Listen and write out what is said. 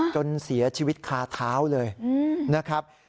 จนเสียชีวิตคาเท้าเลยนะครับ